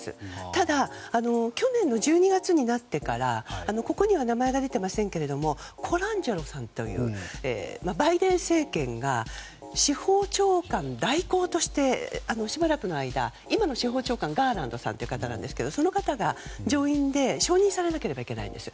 ただ、去年の１２月になってからここには名前が出ていませんがバイデン政権が司法長官代行としてしばらくの間、今の司法長官はガーナードさんという方なんですがその方が上院で承認されなければいけないんです。